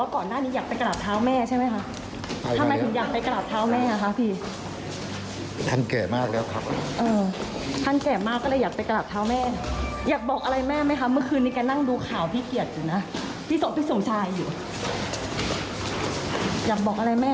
ถ้าอยากไปกราบเท้าแม่นี้อยากไปกราบเท้าแม่นะครับ